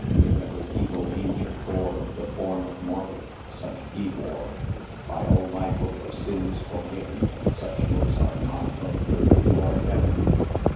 If ever evil angel bore The form of mortal, such he wore; By all my hope of sins forgiven, Such looks are not of earth nor heaven!"